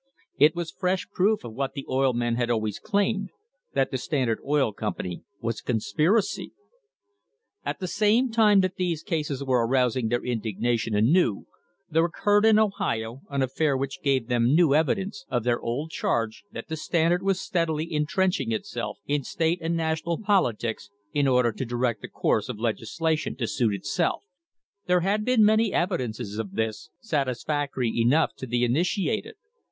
It was fresh proof of what the oil men had always claimed, that the Standard Oil Company was a conspiracy! At the same time that these cases were arousing their indignation anew there occurred in Ohio an affair which gave them new evidence of their old charge that the Standard was steadily intrenching itself [in] THE HISTORY OF THE STANDARD OIL COMPANY in state and national politics in order to direct the course of legislation to suit itself. There had been many evidences of this, satisfactory enough to the initiated.